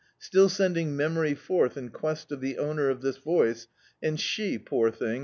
Still sending Memory forth in quest of the owner of this voice, and she, poor thing!